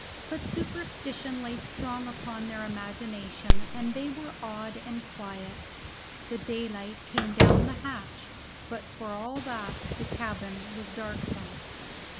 But superstition lay strong upon their imagination, and they were awed and quiet. The daylight came down the hatch, but for all that the cabin was darksome.